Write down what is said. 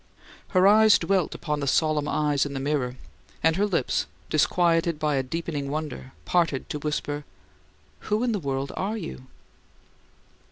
Her eyes dwelt on the solemn eyes in the mirror; and her lips, disquieted by a deepening wonder, parted to whisper: "Who in the world are you?"